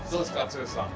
剛さん。